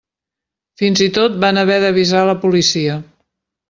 Fins i tot van haver d'avisar la policia.